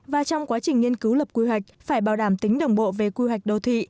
và trong quá trình nghiên cứu lập quy hoạch phải bảo đảm tính đồng bộ về quy hoạch đô thị